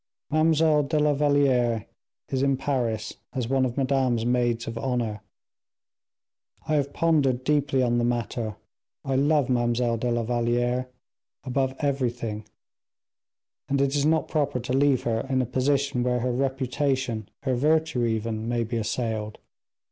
Mademoiselle de la Valliere is in Paris as one of Madame's maids of honor. I have pondered deeply on the matter; I love Mademoiselle de la Valliere above everything; and it is not proper to leave her in a position where her reputation, her virtue even, may be assailed.